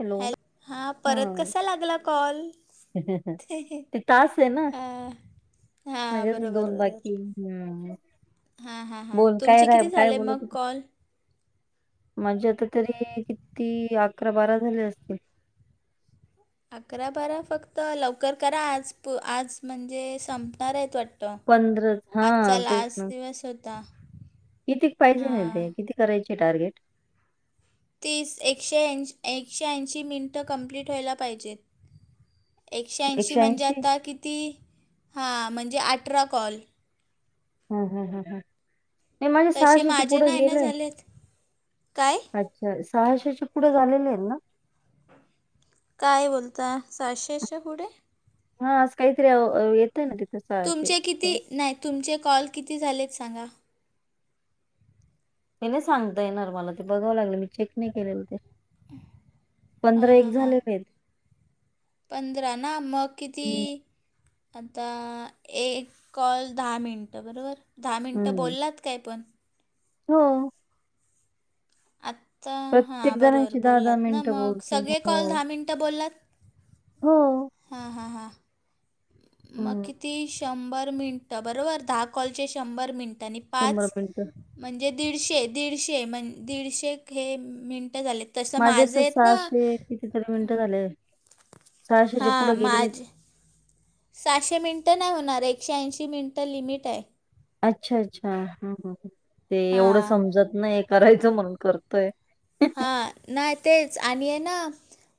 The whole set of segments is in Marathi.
हॅलो. हॅल हां हा परत कसा लागला कॉल ते तास आहे ना हा माझ्या अजून बरोबर दोन बरोबर बाकी हम्म हां हां हां बोल काय तुमचे रा किती काय झाले मग कॉल म्हणजे आता तरी किती अकरा बारा झाले असते अकरा बारा फक्त लवकर करा आज प आज म्हणजे संपणार आहेत वाट पंधरा हा तेच ना दिवस होता किती पाहिजे ना हां ते किती करायचे टार्गेट तीस एकशे ऐंशी एकशे ऐंशी मिनटं कंप्लीट व्हायला पाहिजेत एकशे ऐंशी म्हणजे आता किती हां म्हणजे अठरा कॉल ह ह ह ह नाही माझ्या तसे सहश्याची माझे पुढं नाही ना गेलंय झालेत काय अ सहाशे पुढे झालेले आहेत ना काय बोलता सशेच्या पुढे हा अस कायत र हो ना जिथे तुमचे किती? नाय तुमचे कॉल किती झालेत सांगा. मी नाही सांगता येणार मला ते बघावं लागले मी चेक नाही केलेलं ते पंधरा एक झाले आहेत पधरा नाम किती हम्म आता एक कॉल दहा मिनटं बरोबर दहा मिनटं हम्म. बोललात काय पण हो आत्ता हां प्रत्येक बरोबर जणांशी दहा दहा बोललात ना मिनिटं मग बोलते. सगळे कॉल हो. दहा मिनटं बोललात हो हां हां हां मग हं. किती शंभर मिनटं बरोबर दहा कॉलचे शंभर मिनटांनी पाच मिनिटं. म्हणजे दीडशे दीडशे म्हणज दीडशे हे मिनटं झालेत तसं माझे माझं असं आहेत ना कितीतरी मिनटं झालेय सहाशेच्या पुढं हां गेलेलं माझे सहाशे मिनटं नाही होणार एकशे ऐंशी मिनटं लिमिट आहे अच्छा अच्छा ह ह ते एवढं हां समजत नाही करायचं म्हणून करतोय हा नाही तेच आणि आहे ना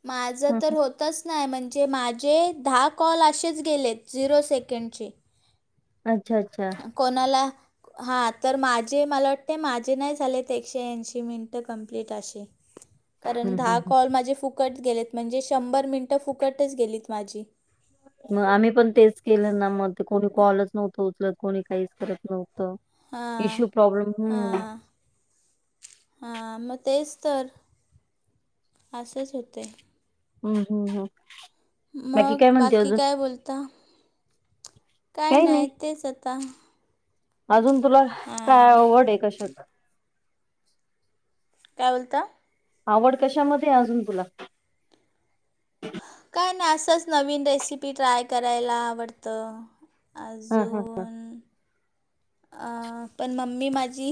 माझं हं, तर हं. होत तच नाही म्हणजे माझे दहा कॉल असेच गेलेत झिरो सेकंडचे अच्छा अच्छा कोणाला हा तर माझे मला वाटते माझे नाही झाले ते एकशे ऐंशी मिनट कंम्प्लीट असे [inaudible] कारण हं, दहा हं. कॉल माझे फुकट गेलेत म्हणजे शंभर मिनटं फुकटच गेलीत माझी मग आम्ही पण तेच केलं ना मग ते कोणी कॉलच नव्हतं उचलत कोणी काहीच करत नव्हतं हां इश्यू प्रॉब्लेम हम्म हा मग तेच तर असेच होते हम्म हम् हम् मग बाकी काय बोलता काय नाही तेच आता अजून तुला काय हां आवड आहे कशात काय बोलता आवड कशामध्ये अजून तुला काय नाही असंच नवीन रेसिपी ट्राय करायला आवडतं हा हा. अजून अ पण मम्मी माझी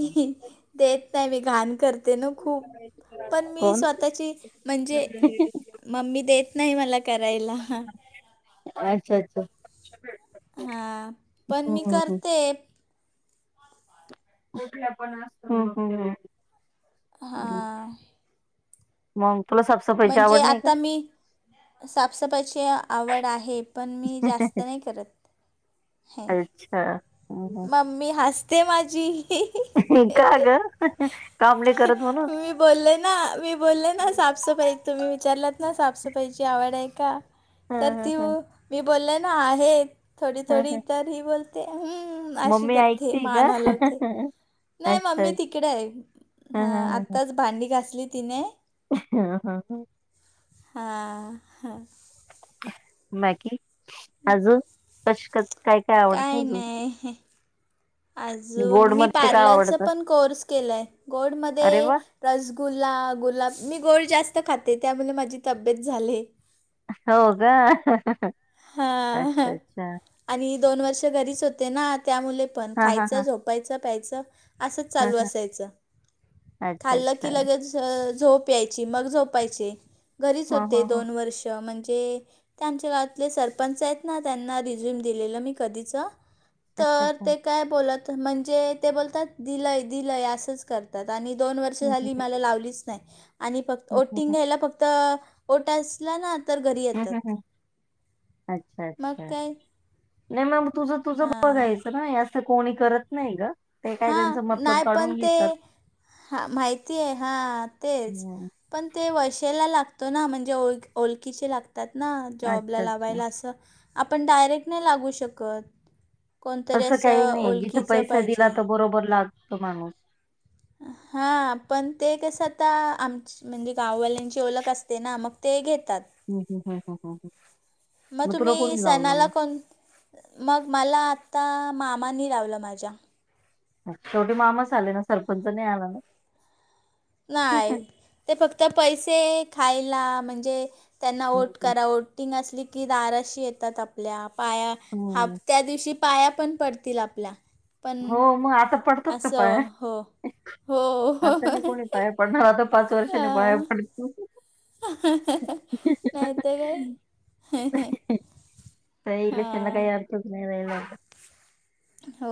देत नाही मी घाण करते हो ना खूप पण मी कोण स्वतःची म्हणजे मम्मी देत नाही मला करायला अच्छा अच्छा हा पण मी हम्म हम्म करते. कुठ पण असत. हां मग तुला? म्हणजे नाही का? आता मी साफसफाईची आवड आहे पण मी जास्त नाही करत हे. अच्छा. हम्म, हम्म. मम्मी हसते माझी का ग काम नाही करत म्हणुन मी बोलले ना मी बोलले ना साफसफाई तुम्ही विचारलात ना साफसफाईची आवड आहे का तर हं ती हं मी बोलल ना आहे थोडी हं हं. थोडी हं. तर ही बोलते. हम् अशी मम्मी करते ऐकते का? मान हालवती आहे. नाही अच्छा मम्मी अच्छा. तिकडे आहे हा हं आत्ताच भांडी घासली तिने हा हा हा. हा हा. बाकी अजून कशात काय काय आवडत अजून ह हा. अजून गोड मी मध्ये काय पार्लरचा आवडतं? पण कोर्स केलाय गोड अरे मध्ये वा रसगुल्ला गुलाब मी गोड जास्त खाते त्यामुळे माझी तब्येत झाली आहे. हो का? अच्छा हा अच्छा. आणि दोन वर्ष घरीच होते ना त्या मुळे पण हा हा खायच हा. झोपायच. झोपायच प्यायच असच हा चालू हा. असायच अच्छा खाल अच्छा. की लगेच झोप यायची मग झोपायची घरीच हा होते हा हा. दोन वर्षे म्हणजे त्यांच्यात आपले सरपंच आहेत ना त्यांना रिझ्यूम दिलेलं मी कधीचं अच्छा तर अच्छा. ते काय बोलत. म्हणजे ते बोलतात दिलय दिलय असंच करतात. आणि दोन वर्ष हं, हं, झाली हं, मला लावलीच नाही आणि फक्त हं, हं, ओटिंग घ्यायला फक्त ओट असला ना तर घरी हं, येतात. हं, हं. अच्छा मग अच्छा काय नाही मग तुझ तुझ हां बघायचना यात. असं कोणी करत नाही ग. ते काय हा त्यांचं मतलब नाही पण काढून ते घेतात हा माहिती आहे हा तेच हं. पण ते वैशेला लागतो ना म्हणजे ओ ओलखचे लागते. ना जॉबला अच्छा अच्छा. लावायला असं आपण डायरेक्ट नाही लागू शकत. कोणतरी असं काही नाही जिथं ओळखीचं पैसा दिला पाहिजे तर बरोबर लागतो माणूस हा पण ते कस आता आमच. म्हणजे गाववाल्यांची ओळख असते ना मग ते घेतात. हं, हं, हं, हं, हं, हं. मग तुला तुम्ही कोणी लावलं सनाला मग? कोण? मग मला आत्ता मामानी लावलं माझ्या शेवटी मामाच आले ना सरपंच नाही आला ना. नाही ते फक्त पैसे खायला म्हणजे त्यांना हं, ओट हं. करा ओट. ओटींग असली की दाराशी येतात आपल्या पाया हात हं. त्या दिवशी पाया पण पडतील आपल्या हो पण मग आता पडतात का पाय असं हो हो आता मी कोणी पाय पडणार आता पाच वर्षानी बाय पड. नाहीत काय? शना हां काही अर्थच नाही राला हो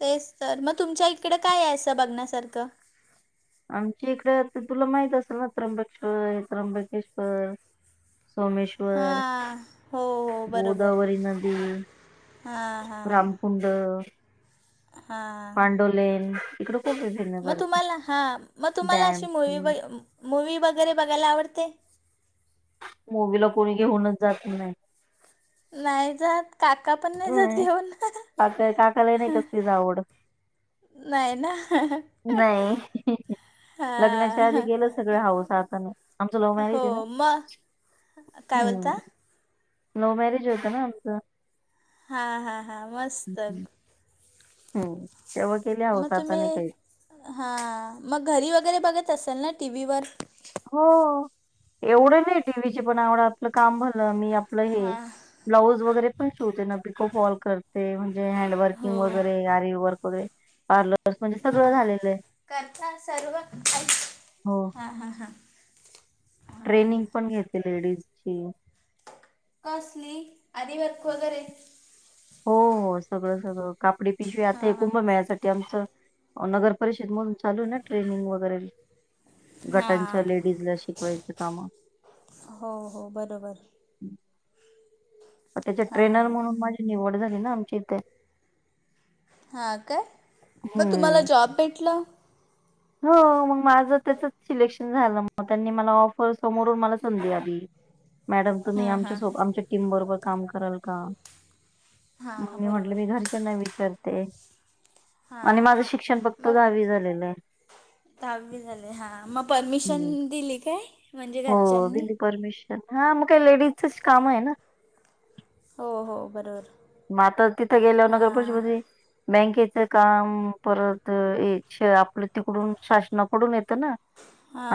तेच तर मग तुमच्या इकडे काय असं बघण्यासारखं. आमची इकडे तुला माहित असेल ना त्र्यंबकेश्वर त्र्यंबकेश्वर सोमेश. हां हो हो बरोबर गोदावरी नदी हां हां रामकुंड ह. हां पांडोलेन इकडं, मग तुम्हाला हां, मग तुम्हाला डॅम अशी मवी मूवी वगैरे बघायला आवडते. मुवीला कोणी घेऊनच जात नाही. नाही जात. काका पण नाही जात हम्‌. घेऊन काका काकाला नाही कसलीच आवड. नाही ना नाही. लग्नांच्या आधी हां गेलं सगळ हाऊस, आता नाही आमचं लव्ह मॅरेज हो आहे ना. मग काय हम्म बोलता? लव्ह मॅरेज होतं ना आमचं. हा हा हा.. मस्. हम् हम्. मग हौस तुम्ही, हाताने काही हां, मग घरी वगैरे बघत असल ना, टीव्ही वर. हो, एवढं नाही टीव्हीचे पण आवड, आपलं काम भलं मी आपलं हे, हां ब्लाऊज वगैरे पण शिवते ना, पिकोफॉल कर ते म्हणजे, हो हॅडवर्किंग वगैरे, आरी वर्क वगैरे पार्लर, हा हा, करता सर्व हो हा हा हा.. ट्रेनिंग पण घेते, लेडीज ची. कसली आरी वर्क वगैरे, हो हो, सगळं सगळं कापडी पिशवी आता, एक हां कुंभ मेळ्यासाठी आमचं. नगर परिषद मधून चालू आहे ना. ट्रेनिंग वगैरे, गटांच्या हां लेडीज ला, शिकवायचे काम. हो हो, बरोबर. तेच्यात ट्रेनर हां म्हणून माझी निवड झाली ना, आमच्या इथे. हा काय? मग तुम्हाला हम्म जॉब भेटला. हो, मग माझ त्याचंच सिलेक्शन झालं, मग त्यांनी मला ऑफर समोरून मला संधी आली. मॅडम तुम्ही, हां आमच्या हां सोबत आमच्या टीम बरोबर काम कराल कां? हां मग हां मी म्हंटलं बरोबर मी घरच्यांना विचारते. आणि हां माझं शिक्षण फक्त मग दहावी झालेलं आहे. दहावी झाले हा, मग परमिशन हम्म दिली काय? म्हणजे हो, घरच्यांनी दिली परमिशन हां. मग काही लेडीजचंच काम आहे ना, हो हो, बरोबर. मग आता तिथं गेल्यावर नगरपरिषद हां मध्ये, बँकेच काम, परत आपलं तिकडून शासनाकडून येतं ना.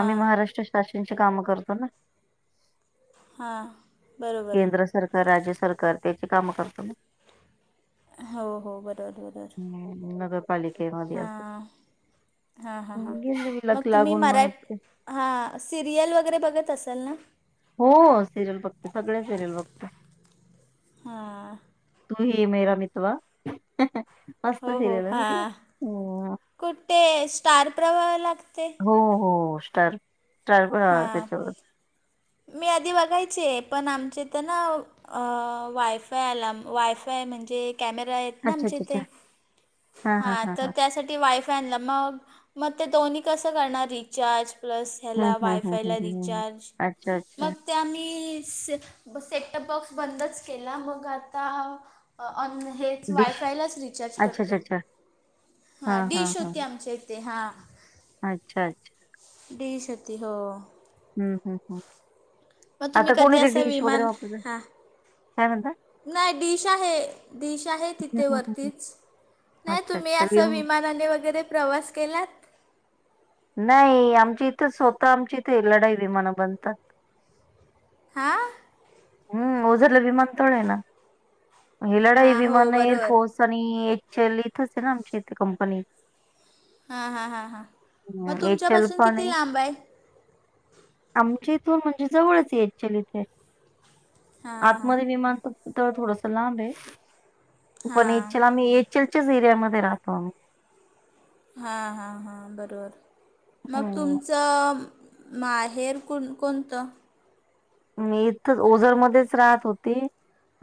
आम्ही महाराष्ट्र शासनची कामं करतो ना. हां बरोबर केंद्र सरकार, राज्य सरकार त्यांची काम करतो ना. हो हो, बरोबर बरोबर. [unintelligible] पालिकेमध्ये असं, हां हां हां गेलं लक लागून मग असं. आ.. सिरियल वगैरे बघत असाल ना. हो, सिरियल बघते सगळं सिरियल बघते. हां. तू ही मेरा मितवा, मस्त हो हो सिरियल आहे ना ती. हां हो.. कुठे स्टार प्रवाह ला लागते. हो हो, स्टार स्टार प्रवाह हां तेच्यावरचं. मी आधी बघायचे ये, पण आमच्या इथे ना. अं.. वायफाय आला, वायफाय म्हणजे कॅमेरा ये अच्छा आमच्या अच्छा अच्छा इथे हा हा हां, हा तर हा त्यासाठी वाय त्यांना मगं, मग ते दोन्ही कसं करणारं रिचार्ज प्लस हम्म ह्याला. हम्म हम्म वायफायला हम्म हम्म रिचार्ज, अच्छा अच्छा मग त्या म्ही स सेटटप बॉक्स बंदच केला मग आता न हेच डिश वायफायलाच रिचार्ज अच्छा अच्छा करतो. अच्छा हा डिश होती आमच्या इथे हा. अच्छा अच्छा. डिश होती हो. हम्म हम् हम् मग तुम्ही आता कधी कोणी ते असं डिश वगैरे विमान वापरत हां काय म्हणता नाही डिश आहे. डिश आहे हम्म तिथे हम्म हम्म वरतीच नाही अच्छा तुम्ही अच्छा असं विम विमानाने वगैरे प्रवास केल्यात. नाही आमची इथे स्वतः आमची इथे लढाई विमानं बनतात. हा. हम्म ओझरलं विमान तळे ना हे लढाई हां हो विमान बरोबर एअरफोर्स. आणि एच एल इथच आहे ना आमची इथे कंपनी. हां हां हां हां मग एच एल तुमच्यापासून पण किती लांब आहे. आमच्या इथून म्हणजे जवळच ये क्चुली इथे. हां हां आतमध्ये विमान तर थोडस लांब आहे पण हां याछला मी चलच्या झिर्यामध्ये राहतो आम्ही. हां हां हां बरोबर मग हम्म तुमच च माहेर कोण कोणतं. म इथच ओझरमध्येध्येच राहत होते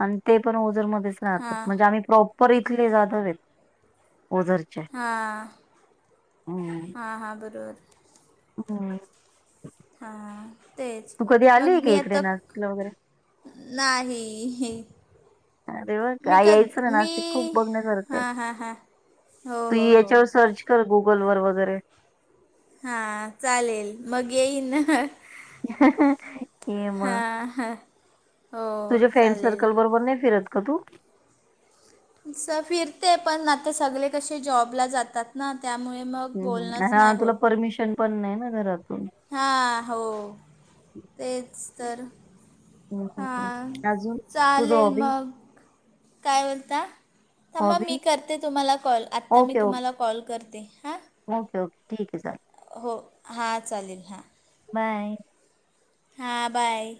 आणि ते पण ओझरमध्येध्येच राहतात हां म्हणजे आम्ही प्रॉपर इथले जाधवेत ओझर. हां हां हां बरोबर. हम्. हां तेच तू कधी मग आलीय का मी इकडे आता नाशिकला वगैरे? नाही. अरे वा! मी काय क यायचं ना मी नाशिक खूप बघण्यासारखं आहे. हा हा हा हो हो हो. गुगल वर वगैरे. हा चालेल मग येई ना. हा ये मग. आहा. तुझे फ्रेंड सर्कल बरोबर नाही फिरत का तू. स फिरते पण आता सगले कशे जॉबला जातात ना त्यामुळे मग हम्म हम्म बोलणंच अहा नाही तुला परमिशन पण नाही ना घरात हा हो तेच तर हं, हं, हा हं. अजून तुझं चालेल हॉबी? मग. काय बोलता थांबा मी हॉबी? करते तुम्हाला कॉल आत्ता मी ओके, ओके. तुम्हाला कॉल करते हां. ओके ओके ठीक आहे चालेल. हो हां चालेल हां. बाय. हां बाय.